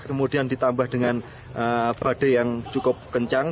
kemudian ditambah dengan badai yang cukup kencang